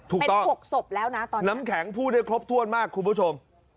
ถูกต้องน้ำแข็งผู้ได้ครบถ้วนมากคุณผู้ชม